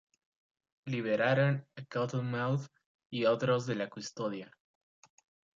Liberaron a Cottonmouth y otros de la custodia.